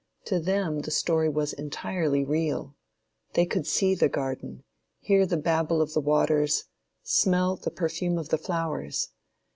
To them, the story was entirely real. They could see the garden, hear the babble of waters, smell the perfume of flowers.